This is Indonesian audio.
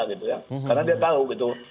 karena dia tahu gitu